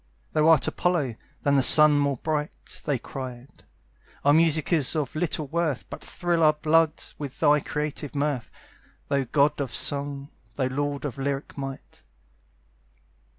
"Thou art Apollo, than the sun more bright!" They cried. "Our music is of little worth, But thrill our blood with thy creative mirth Thou god of song, thou lord of lyric might!"